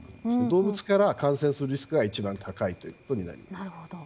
動物から感染するリスクが一番高いということになります。